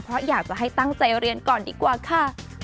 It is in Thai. เพราะอยากจะให้ตั้งใจเรียนก่อนดีกว่าค่ะ